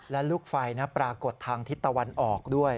และลูกไฟปรากฏทางทิศตะวันออกด้วย